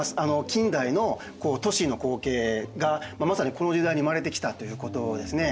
近代の都市の光景がまさにこの時代に生まれてきたということですね。